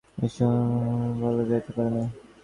ঈশ্বরকে অনন্তগুণসম্পন্ন মানব বলা যাইতে পারে।